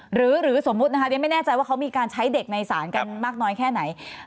หรือสมมุตินะคะเรียนไม่แน่ใจว่าเขามีการใช้เด็กในศาลกันมากน้อยแค่ไหน